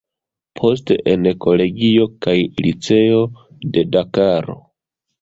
Poste en kolegio kaj liceo de Dakaro.